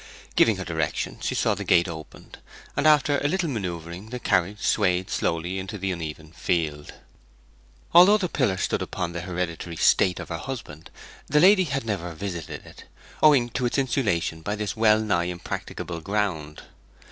Giving her directions she saw the gate opened, and after a little manoeuvring the carriage swayed slowly into the uneven field. Although the pillar stood upon the hereditary estate of her husband the lady had never visited it, owing to its insulation by this well nigh impracticable ground.